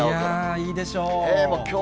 いいでしょう。